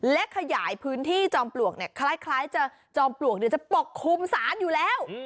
และขยายพื้นที่จอมปลวกเนี่ยคล้ายจะจอมปลวกจะปกคลุมศาลอยู่แล้ว